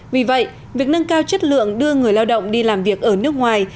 vì vậy việc nâng cao chất lượng đưa người lao động đi làm việc ở nước ngoài